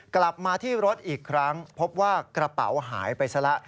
กลับมาที่รถอีกครั้งพบว่ากระเป๋าหายไปซะแล้ว